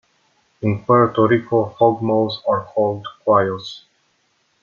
In Puerto Rico, hog maws are called "Cuajos".